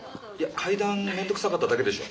階段面倒くさかっただけでしょ。